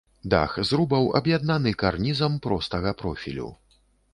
Дахі зрубаў аб'яднаны карнізам простага профілю.